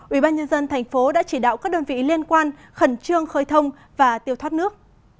ubnd thành phố đã chỉ đạo các đơn vị liên quan khẩn trương khơi thông và tiêu thoát nước